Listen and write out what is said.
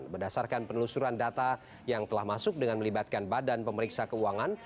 berdasarkan penelusuran data yang telah masuk dengan melibatkan badan pemeriksa keuangan